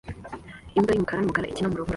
Imbwa yumukara numukara ikina mu rubura